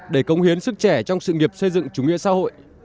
để công hiến sức trẻ trong sự nghiệp xây dựng chủ nghĩa xã hội